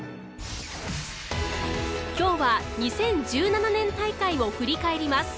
今日は２０１７年大会を振り返ります。